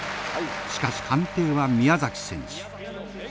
しかし判定は宮崎選手。